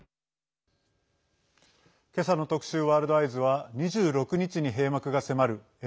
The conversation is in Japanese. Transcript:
今朝の特集「ワールドＥＹＥＳ」は２６日に閉幕が迫る